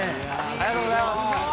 ありがとうございます。